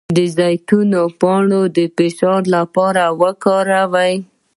د زیتون پاڼې د فشار لپاره وکاروئ